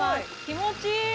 気持ちいい！